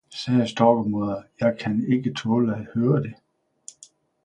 « sagde Storkemoder, »jeg kan ikke taale at høre det!